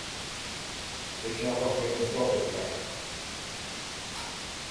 Det är knappast vetenskapligt belagt.